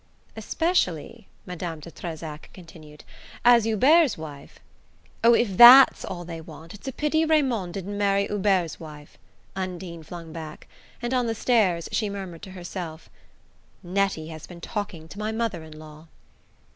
"Especially," Madame de Trezac continued, "as Hubert's wife " "Oh, if THAT'S all they want, it's a pity Raymond didn't marry Hubert's wife," Undine flung back; and on the stairs she murmured to herself: "Nettie has been talking to my mother in law."